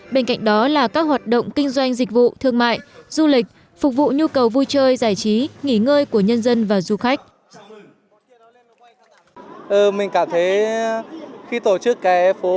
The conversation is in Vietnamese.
bên cạnh đó là các hoạt động kinh doanh dịch vụ thương mại du lịch phục vụ nhu cầu vui chơi giải trí nghỉ ngơi của nhân dân và du khách